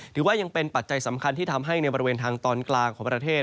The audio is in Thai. ถือว่าเป็นปัจจัยสำคัญที่ทำให้ในบริเวณทางตอนกลางของประเทศ